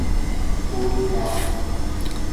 پھول کا